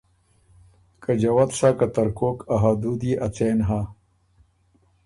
که جوت سَۀ که ترتو ا حدود يې ا څېن هۀ،